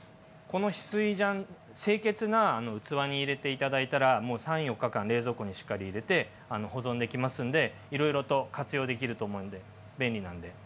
この翡翠醤清潔な器に入れて頂いたら３４日間冷蔵庫にしっかり入れて保存できますんでいろいろと活用できると思うんで便利なんで。